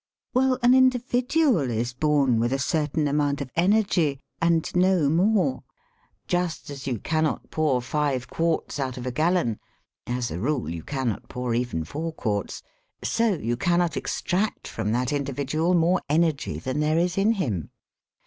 "Well, an individual is bom with a certain amount of energy — and no more. Just as you cannot pour five quarts out of a gallon (as a rule, you cannot pour even four quarts), so you cannot extract from that individual more energy than there is in him.